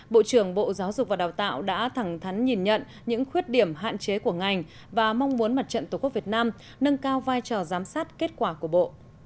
bộ trưởng bộ giáo dục và đào tạo đã thẳng thắn nhìn nhận những khuyết điểm hạn chế của ngành và mong muốn mặt trận tổ quốc việt nam nâng cao vai trò giám sát kết quả của bộ